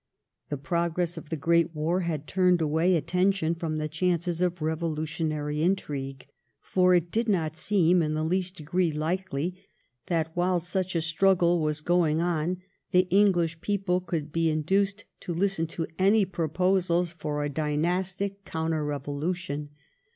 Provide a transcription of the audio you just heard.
The progress of the great war had turned away attention from the chances of revolutionary intrigue, for it did not seem in the least degree likely that while such a struggle was going on the EngUsh people could be induced to listen to any proposals 1713 14 OXFOKD'S POINT OF VIEW. 257 for a dynastic counter revolution.